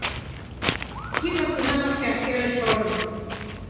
Тигр тунамак чашкерыш шылын.